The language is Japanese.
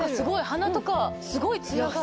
鼻とかすごいツヤが。